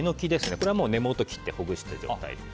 これは根元を切ってほぐした状態です。